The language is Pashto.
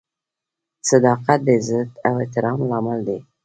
• صداقت د عزت او احترام لامل دی.